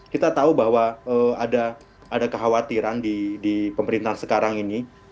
kita tahu bahwa ada kekhawatiran di pemerintahan sekarang ini